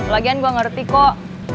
lagian gue ngerti kok